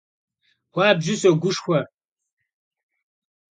Xuabju soguşşxuer.